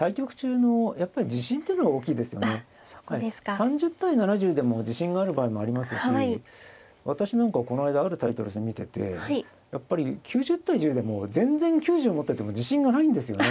３０対７０でも自信がある場合もありますし私なんかこの間あるタイトル戦見ててやっぱり９０対１０でも全然９０持ってても自信がないんですよね。